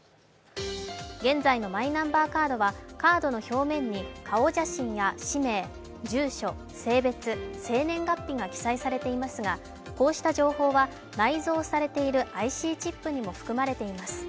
現在のマイナンバーカードはカードの表面に顔写真や氏名、住所、性別、生年月日が記載されていますが、こうした情報は内蔵されているＩＣチップにも含まれています。